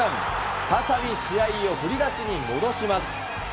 再び試合を振り出しに戻します。